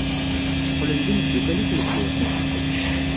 Qqlen d imeddukal i tmeddurt.